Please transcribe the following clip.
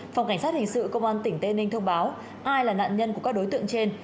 phòng cảnh sát hình sự công an tỉnh tây ninh thông báo ai là nạn nhân của các đối tượng trên